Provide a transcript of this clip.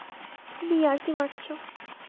তুমি ইয়ার্কি মারছ।